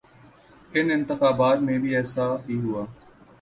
ان انتخابات میں بھی ایسا ہی ہوا۔